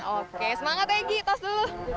oke semangat egy tas dulu